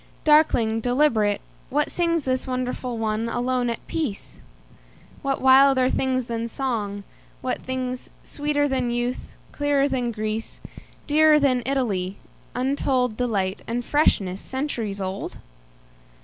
Darkling, deliberate, what singsThis wonderful one, alone, at peace? What wilder things than song, what thingsSweeter than youth, clearer than Greece, Dearer than Italy, untoldDelight, and freshness centuries old?